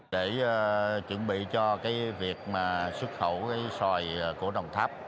để chuẩn bị cho việc xuất khẩu xoài của đồng tháp